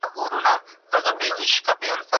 لویه جرګه د اقتصادي پرمختګ له پاره ولي بحث نه کوي؟